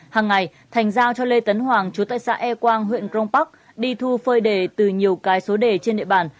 hàng ngày thành giao cho lê tấn hoàng chú tại xã e quang huyện công bắc đi thu phơi đề từ nhiều cái số đề trên nệ bàn